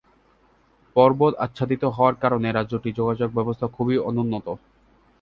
পর্বত আচ্ছাদিত হওয়ার কারণে রাজ্যটির যোগাযোগ ব্যবস্থা খুবই অনুন্নত।